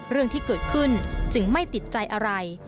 เรื่องที่เกิดขึ้นจึงไม่ติดใจอะไร